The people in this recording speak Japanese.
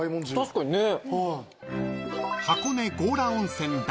確かにね。